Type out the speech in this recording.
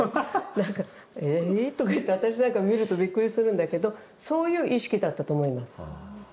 なんか「え」とかいって私なんか見るとびっくりするんだけどそういう意識だったと思います。